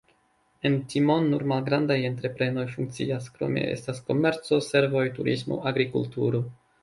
En Timon nur malgrandaj entreprenoj funkcias, krome estas komerco, servoj, turismo, agrikulturo.